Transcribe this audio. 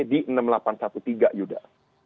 di enam delapan ratus tiga belas juga